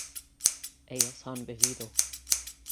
ellos han vivido